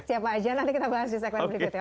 siapa aja nanti kita bahas di segmen berikutnya